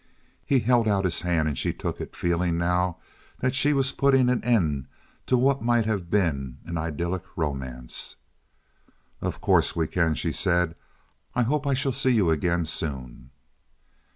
He held out his hand, and she took it, feeling now that she was putting an end to what might have been an idyllic romance. "Of course we can," she said. "I hope I shall see you again soon."